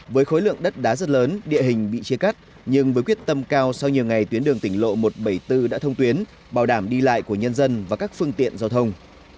với khối lượng đất đá rất lớn địa hình bị chia cắt nhưng với quyết tâm cao sau nhiều ngày tuyến đường tỉnh lộ một trăm bảy mươi bốn đã thông tuyến bảo đảm đi lại của nhân dân và các phương tiện giao thông